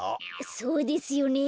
そうですよねえ。